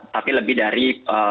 tapi lebih dari